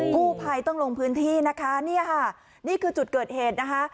กู้ภัยต้องลงพื้นที่นะคะเนี่ยค่ะนี่คือจุดเกิดเหตุนะคะ